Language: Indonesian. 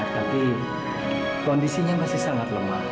tapi kondisinya masih sangat lemah